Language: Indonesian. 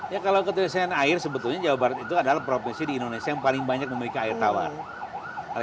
ya kalau keterisian air sebetulnya jawa barat itu adalah provinsi di indonesia yang paling banyak memiliki air tawar